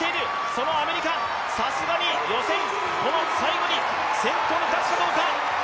そのアメリカ、さすがに予選、この最後に先頭に立つかどうか。